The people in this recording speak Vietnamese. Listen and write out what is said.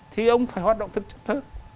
thì ông phải hoạt động thực chất hơn